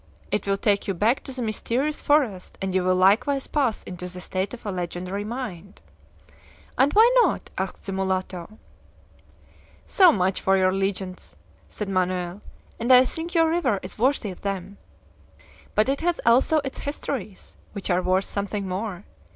It will take you back to the mysterious forest, and you will likewise pass into the state of a legendary mind!" "And why not?" asked the mulatto. "So much for your legends," said Manoel; "and I think your river is worthy of them. But it has also its histories, which are worth something more.